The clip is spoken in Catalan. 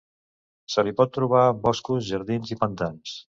Se li pot trobar en boscos, jardins i pantans.